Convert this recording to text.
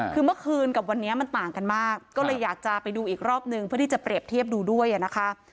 คือเมื่อคืนกับวันนี้มันต่างกันมากก็เลยอยากจะไปดูอีกรอบนึงเพื่อที่จะเปรียบเทียบดูด้วยนะคะ